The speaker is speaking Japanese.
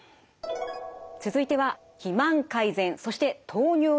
続いては肥満改善そして糖尿病予防です。